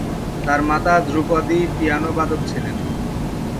তার মাতা ধ্রুপদী পিয়ানোবাদক ছিলেন।